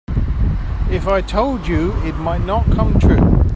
If I told you it might not come true.